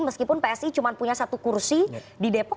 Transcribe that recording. meskipun psi cuma punya satu kursi di depok